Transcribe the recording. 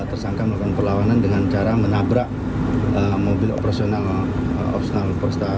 tersangka melakukan perlawanan dengan cara menabrak mobil operasional